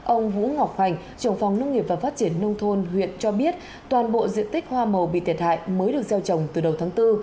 ông vũ ngọc hoành trưởng phòng nông nghiệp và phát triển nông thôn huyện cho biết toàn bộ diện tích hoa màu bị thiệt hại mới được gieo trồng từ đầu tháng bốn